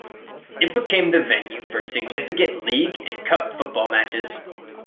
It became the venue for significant league and cup football matches.